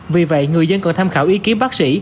vì vậy người dân cần tham khảo ý kiến bác sĩ